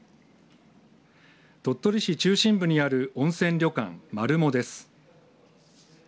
鳥取市中心部にある温泉旅館丸茂です。